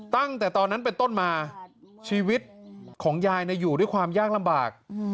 ตั้งแต่ตอนนั้นเป็นต้นมาชีวิตของยายอยู่ด้วยความยากลำบาก